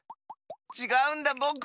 ちがうんだぼく。